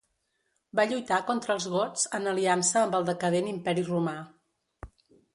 Va lluitar contra els gots en aliança amb el decadent imperi Romà.